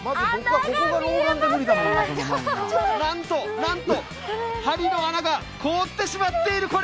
なんと、なんと針の穴が通ってしまっている。